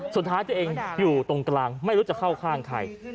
สุดท้ายตัวเองอยู่ตรงกลางไม่รู้จะเข้าข้างใคร